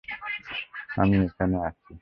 আমিও এখানে আছি।